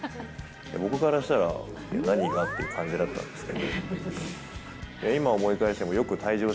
僕からしたら、何が？っていう感じだったんですが。